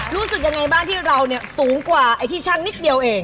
รู้สึกยังไงบ้างที่เราเนี่ยสูงกว่าไอ้ที่ชั่งนิดเดียวเอง